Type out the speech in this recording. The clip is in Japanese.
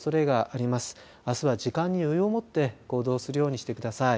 あすは時間に余裕をもって行動するようにしてください。